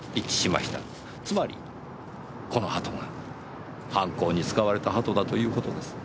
つまりこの鳩が犯行に使われた鳩だという事です。